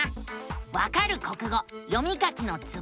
「わかる国語読み書きのツボ」。